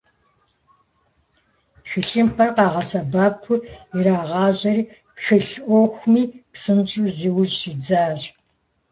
Тхылъымпӏэр къагъэсэбэпу ирагъажьэри, тхылъ ӏуэхуми псынщӏэу зиужьу щӏидзащ.